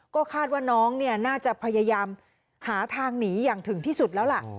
ก็คาดว่าน้องเนี่ยน่าจะพยายามหาทางหนีอย่างถึงที่สุดแล้วล่ะ